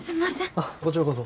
あっこちらこそ。